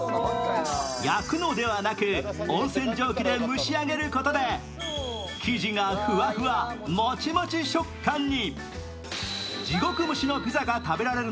焼くのではなく、温泉蒸気で蒸し上げることで生地がふわふわ、もちもち食感に。